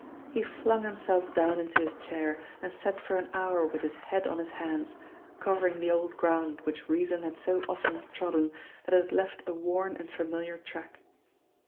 He flung himself down into his chair and sat for an hour with his head on his hands, covering the old ground which reason had so often trodden that it had left a worn and familiar track.